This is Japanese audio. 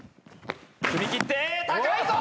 踏み切って高いぞ！